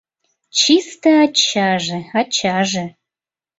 Чисте ачаже, ачаже...